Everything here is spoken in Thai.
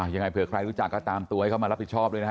ยังไงเผื่อใครรู้จักก็ตามตัวให้เข้ามารับผิดชอบด้วยนะฮะ